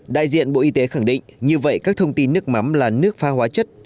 đại diện bộ y tế khẳng định như vậy các thông tin nước mắm là nước pha hóa chất